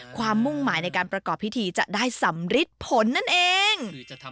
มุ่งหมายในการประกอบพิธีจะได้สำริดผลนั่นเอง